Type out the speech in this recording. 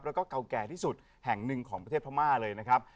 แล้วก็เก่าแก่ที่สุดแห่งหนึ่งของประเทศพม่าเลยนะครับ